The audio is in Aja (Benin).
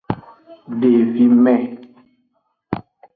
Devime.